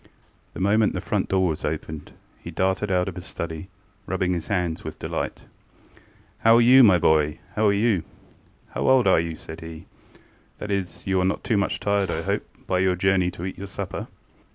The moment the front door was opened he darted out of his study, rubbing his hands with delight. ŌĆ£How are you, my boy? ŌĆöhow are you? How old are you? ŌĆØ said heŌĆöŌĆ£that is, you are not too much tired, I hope, by your journey to eat your supper?